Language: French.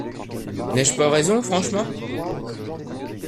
N’ai-je pas raison franchement ?